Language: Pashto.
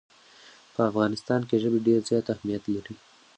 په افغانستان کې ژبې ډېر زیات اهمیت لري.